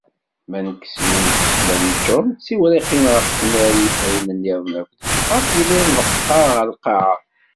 Ma nekkes yiwen usesmal yeččuren d tiwriqin ɣef tnarit, ayen nniḍen akk deg texxamt yella yenḍeqqar ɣer lqaεa.